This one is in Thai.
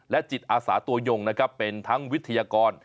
จิตอาสาตัวยงนะครับเป็นทั้งวิทยากร